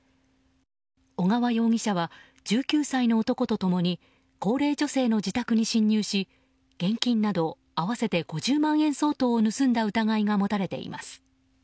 小川容疑者は１９歳の男と共に高齢女性の自宅に侵入し現金など合わせて５０万円相当を盗んだ疑いが持たれています。